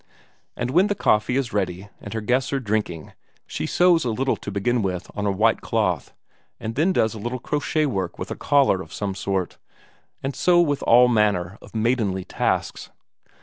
And when the coffee is ready and her guests are drinking, she sews a little to begin with on a white cloth, and then does a little crochet work with a collar of some sort, and so with all manner of maidenly tasks.